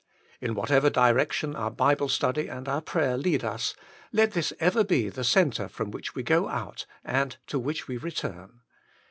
In whatever direction our Bible study and our prayer lead us, let this ever be the centre from which we go out and to which we return.